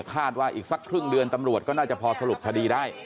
คาดว่าอีกสักครึ่งเดือนตำรวจก็น่าจะพอสรุปคดีได้